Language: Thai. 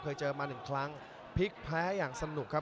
เคยเจอมาหนึ่งครั้งพลิกแพ้อย่างสนุกครับ